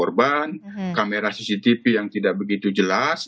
kameranya yang dikorban kamera cctv yang tidak begitu jelas